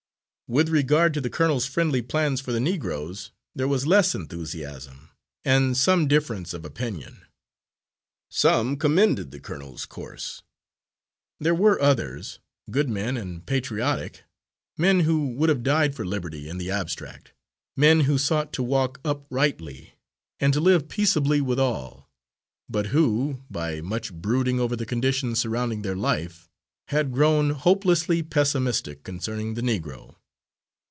With regard to the colonel's friendly plans for the Negroes, there was less enthusiasm and some difference of opinion. Some commended the colonel's course. There were others, good men and patriotic, men who would have died for liberty, in the abstract, men who sought to walk uprightly, and to live peaceably with all, but who, by much brooding over the conditions surrounding their life, had grown hopelessly pessimistic concerning the Negro.